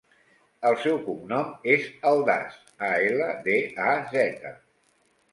El seu cognom és Aldaz: a, ela, de, a, zeta.